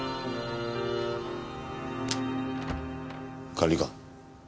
管理官。